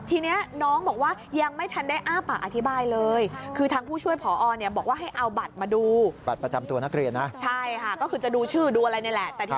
ทีนี้น้องบอกว่ายังไม่ทันได้อ้าปะอธิบายเลย